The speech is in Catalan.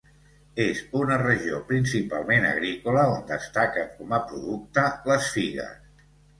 És una regió principalment agrícola on destaquen com a producte les figues.